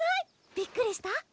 びっくりした？